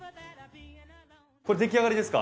これ出来上がりですか？